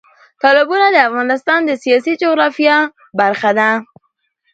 تالابونه د افغانستان د سیاسي جغرافیه برخه ده.